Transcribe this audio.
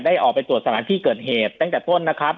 ออกไปตรวจสถานที่เกิดเหตุตั้งแต่ต้นนะครับ